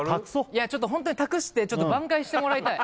いやちょっとホントに託して挽回してもらいたい